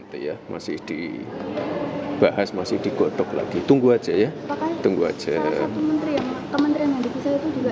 mas salah satu kementerian yang dipisah itu juga yang untuk menangani makan siang gratis itu sih mas